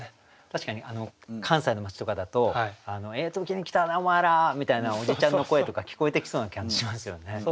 確かに関西の町とかだと「ええ時に来たなお前ら！」みたいなおじちゃんの声とか聞こえてきそうな感じしますよね。